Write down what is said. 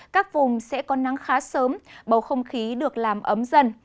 các vùng sẽ có nắng khá sớm bầu không khí được làm ấm dần